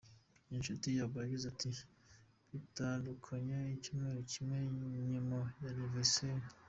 Iyi nshuti yabo yagize iti “Batandukanye icyumweru kimwe nyuma ya anniversaire.